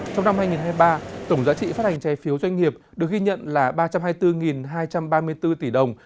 trong năm hai nghìn hai mươi ba tổng giá trị phát hành trái phiếu doanh nghiệp được ghi nhận là ba trăm hai mươi bốn hai trăm ba mươi bốn tỷ đồng